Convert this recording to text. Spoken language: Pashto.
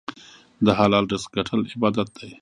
د حلال رزق ګټل عبادت دی.